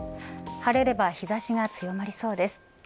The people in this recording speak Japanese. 晴れれば日差しが強まりそうです。